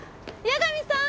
八神さん！